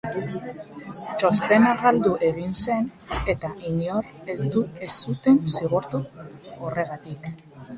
Txostena galdu egin zen eta inor ez zuten zigortu horregatik.